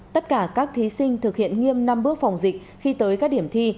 tất cả các thí sinh thực hiện nghiêm năm bước phòng dịch khi tới các điểm thi